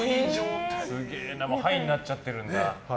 すげえなハイになっちゃってるんだ。